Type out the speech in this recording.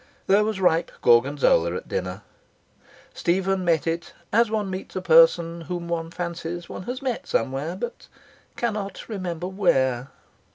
There was ripe Gorgonzola at dinner. Stephen met it as one meets a person whom one fancies one has met somewhere but cannot remember where.